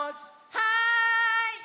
はい！